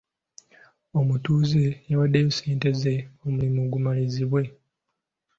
Omutuuze yawaddeyo ssente ze omulimu gumalirizibwe.